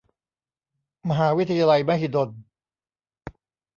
มหาวิทยาลัยมหิดล